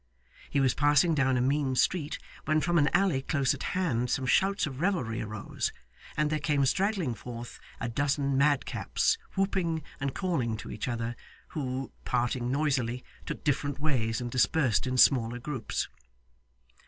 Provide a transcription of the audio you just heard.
He was passing down a mean street, when from an alley close at hand some shouts of revelry arose, and there came straggling forth a dozen madcaps, whooping and calling to each other, who, parting noisily, took different ways and dispersed in smaller groups.